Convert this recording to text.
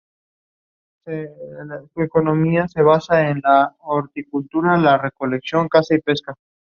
Prohíbe el uso no detectable de las minas antipersona y su traslado.